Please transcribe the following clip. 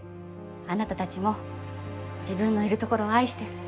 あなたたちも自分のいるところを愛して。